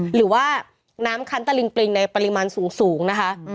หรือว่าน้ำคันตะลิงปริงในปริมาณสูงนะคะ